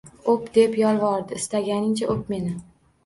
— O‘p! — deb yolvordi. Istaganingcha o‘p meni!